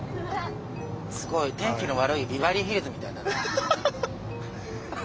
すごい天気の悪いビバリーヒルズみたい。